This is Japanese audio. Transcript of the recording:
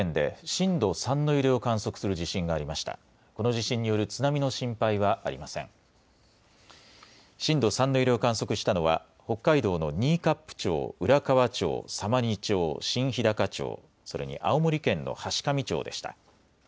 震度３の揺れを観測したのは北海道の新冠町、浦河町、様似町、新ひだか町、それに青森県の階上町でした。